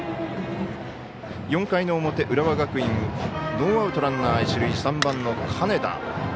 ４回の表、浦和学院ノーアウト、ランナー、一塁３番の金田。